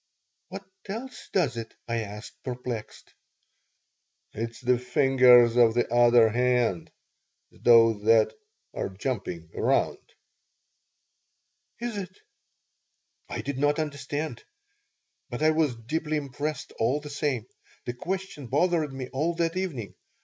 "What else does it?" I asked, perplexed "It's the fingers of the other hand, those that are jumping around." "Is it?" I did not understand, but I was deeply impressed all the same. The question bothered me all that evening.